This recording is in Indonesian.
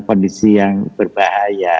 kondisi yang berbahaya